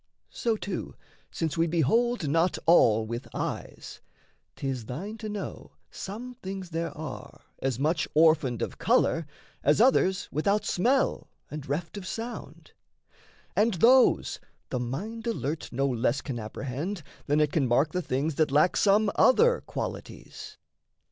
So, too, since we behold not all with eyes, 'Tis thine to know some things there are as much Orphaned of colour, as others without smell, And reft of sound; and those the mind alert No less can apprehend than it can mark The things that lack some other qualities.